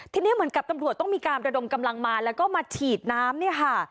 ทีนี้เหมือนกับตำรวจต้องมีการระดมกำลังมาแล้วก็มาฉีดน้ำเนี่ยค่ะ